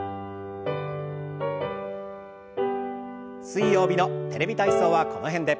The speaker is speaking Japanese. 水曜日の「テレビ体操」はこの辺で。